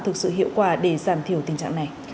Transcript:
thực sự hiệu quả để giảm thiểu tình trạng này